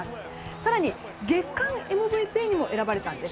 更に月間ＭＶＰにも選ばれたんです。